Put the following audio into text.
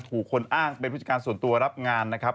คนอ้างเป็นผู้จัดการส่วนตัวรับงานนะครับ